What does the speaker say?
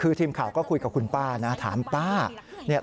คือทีมข่าวก็คุยกับคุณป้านะถามป้าเนี่ย